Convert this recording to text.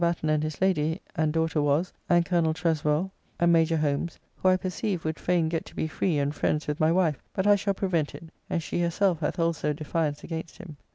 Batten and his Lady, and daughter was, and Colonel Treswell and Major Holmes, who I perceive would fain get to be free and friends with my wife, but I shall prevent it, and she herself hath also a defyance against him.